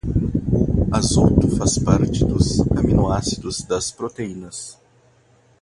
O azoto faz parte dos aminoácidos das proteínas.